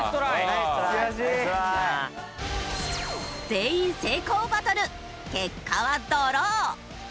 全員成功バトル結果はドロー。